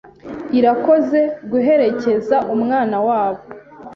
Irakoze guherekeza umwana wabo